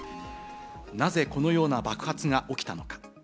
なぜこのような爆発が起きたのか？